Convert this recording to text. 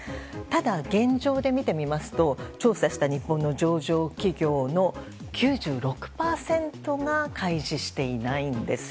ただ、現状で見てみますと調査した日本の上場企業の９６％が開示していないんです。